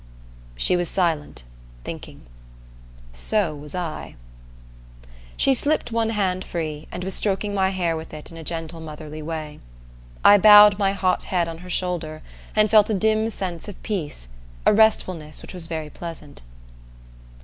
She was silent, thinking. So was I. She slipped one hand free, and was stroking my hair with it in a gentle motherly way. I bowed my hot head on her shoulder and felt a dim sense of peace, a restfulness which was very pleasant.